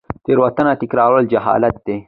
تیروتنه تکرارول جهالت دی